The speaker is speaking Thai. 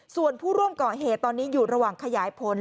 ส่วนผู้ร่วมก่อเหตุตอนนี้อยู่ระหว่างขยายผล